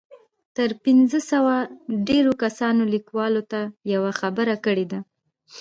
تر پنځوس ډېرو کسانو ليکوال ته يوه خبره کړې ده.